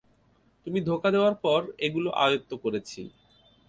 তুমি ধোঁকা দেওয়ার পর এগুলো আয়ত্ত করেছি।